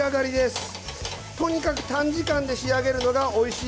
とにかく短時間で仕上げるのがおいしい